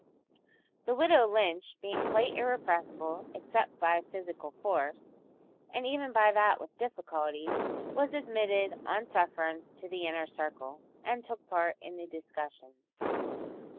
The widow Lynch, being quite irrepressible except by physical force, and even by that with difficulty, was admitted on sufferance to the inner circle, and took part in the discussions.